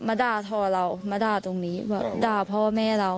ด่าทอเรามาด่าตรงนี้แบบด่าพ่อแม่เรา